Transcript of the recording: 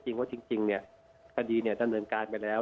แต่าบภาพที่จริงว่าสถาด่ายการเนินการไปแล้ว